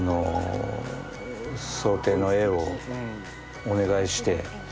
装丁の絵をお願いして。